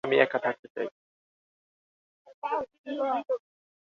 আমি একা থাকতে চাই।